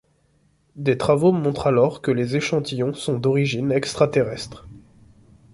Des travaux montrent alors que les échantillons sont d'origine extraterrestre.